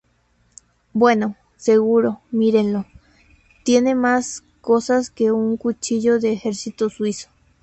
Bueno, seguro, mírenlo. Tiene más cosas que un cuchillo del ejército suizo.